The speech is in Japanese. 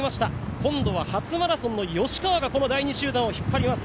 今度は初マラソンの吉川がこの第２集団を引っ張ります。